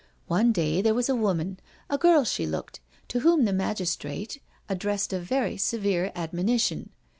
One day there was a woman, a girl she looked, to whom the magistrate addressed a very severe admonition.